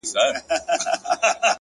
هره تجربه نوی لید درکوي